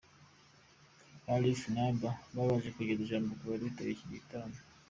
Alif Naaba yabanje kugeza ijambo ku bari bitabiriye iki gitaramo.